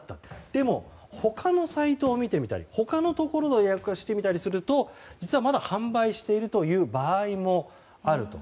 でも、他のサイトを見てみたり他のところの予約をしてみたりすると実は、まだ販売しているという場合もあると。